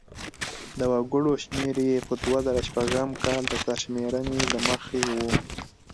د وګړو شمیر یې په دوه زره شپږم کال د سرشمېرنې له مخې و.